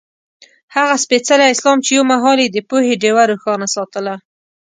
هغه سپېڅلی اسلام چې یو مهال یې د پوهې ډېوه روښانه ساتله.